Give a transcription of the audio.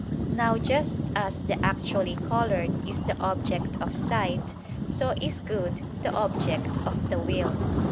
Now just as the actually colored is the object of sight, so is good the object of the will.